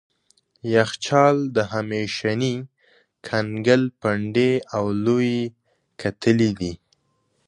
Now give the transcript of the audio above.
یخچال د همیشني کنګل پنډې او لويې کتلې دي.